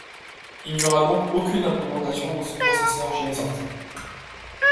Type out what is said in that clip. Il n'y aura donc aucune implémentation de ce processeur jamais sortie.